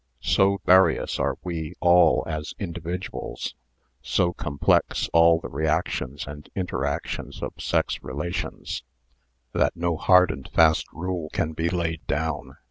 So various are we all as individuals, so complex all the reactions and inter actions of sex relations, that no hard and fast rule can be laid down.